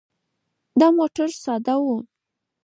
دا موټر ساده و.